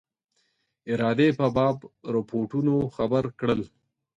ارادې په باب رپوټونو خبر کړل.